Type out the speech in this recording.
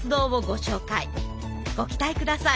ご期待下さい。